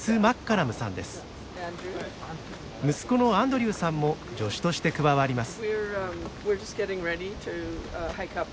息子のアンドリューさんも助手として加わります。